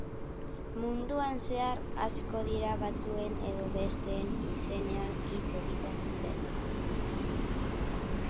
Munduan zehar asko dira batzuen edo besteen izenean hitz egiten dutenak.